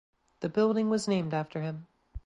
The building was named after him.